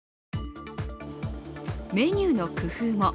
メニューの工夫も。